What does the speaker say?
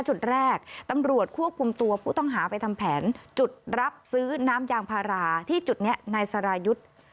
จุดแรกตำรวจควบคุมตัวผู้ต้องหาไปทำแผนจุดรับซื้อน้ำยางพาราที่จุดนี้นายสรายุทธ์